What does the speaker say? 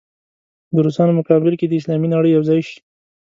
د روسانو په مقابل کې دې اسلامي نړۍ یو ځای شي.